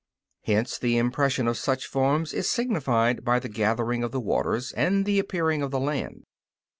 Hence the impression of such forms is signified by the gathering of the waters, and the appearing of the land.